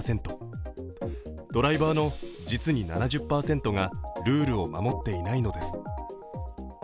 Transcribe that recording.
ドライバーの実に７０％がルールを守っていないのです。